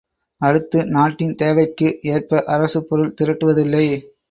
அடுத்து, நாட்டின் தேவைக்கு ஏற்ப அரசு பொருள் திரட்டுவதில்லை.